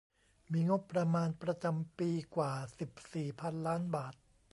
มีงบประมาณประจำปีกว่า สิบสี่ พันล้านบาท